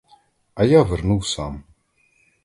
А я вернув сам.